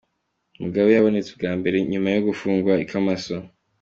Mugabe yabonetse ubwa mbere inyuma yo gufungwa icamaso.